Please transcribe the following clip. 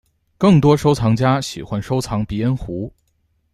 更多收藏家喜欢收藏鼻烟壶。